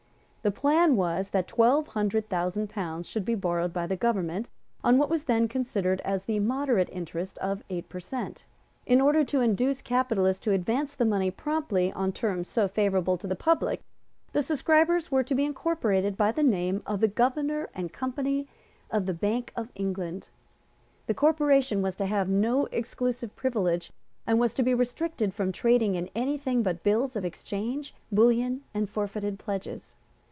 The plan was that twelve hundred thousand pounds should be borrowed by the government on what was then considered as the moderate interest of eight per cent. In order to induce capitalists to advance the money promptly on terms so favourable to the public, the subscribers were to be incorporated by the name of the Governor and Company of the Bank of England. The corporation was to have no exclusive privilege, and was to be restricted from trading in any thing but bills of exchange, bullion and forfeited pledges.